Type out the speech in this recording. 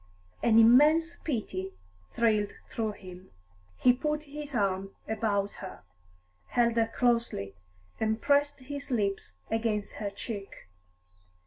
An immense pity thrilled through him. He put his arm about her, held her closely, and pressed his lips against her cheek.